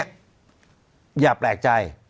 อย่าแปลกใจ